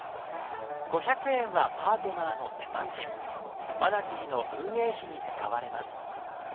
５００円はパートナーの手間賃マナティの運営費に使われます。